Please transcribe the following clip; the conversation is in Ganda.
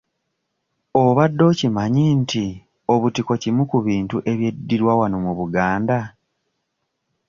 Obadde okimanyi nti obutiko kimu ku bintu ebyeddirwa wano mu Buganda?